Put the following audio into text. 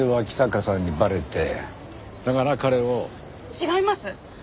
違います！